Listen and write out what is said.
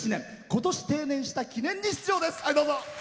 今年、定年した記念に出場です。